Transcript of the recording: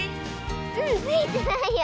うんついてないよ！